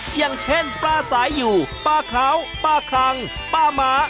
อย่างเช่นปลาสายอยู่ปลาเคล้าปลาคลังปลาม้า